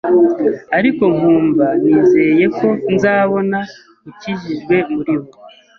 ariko nkumva nizeye ko nzabona ukijijwe muri bo